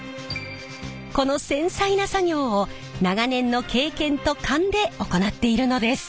この繊細な作業を長年の経験と勘で行っているのです。